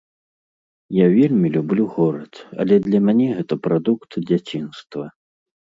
Я вельмі люблю горад, але для мяне гэта прадукт дзяцінства.